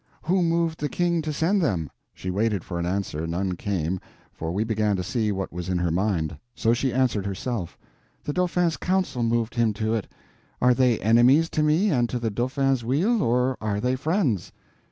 "Who moved the King to send them?" She waited for an answer; none came, for we began to see what was in her mind—so she answered herself: "The Dauphin's council moved him to it. Are they enemies to me and to the Dauphin's weal, or are they friends?"